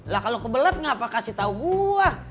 lah kalau kebelet ngapa kasih tau gue